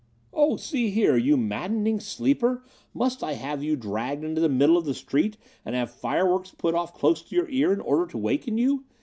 "Oh, see here, you maddening sleeper! Must I have you dragged into the middle of the street, and have fireworks put off close to your ear, in order to waken you?